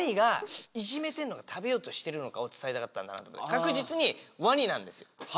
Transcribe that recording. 確実にワニなんですよ。